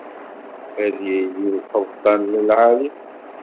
Ad yili d lqebṭan n lεali.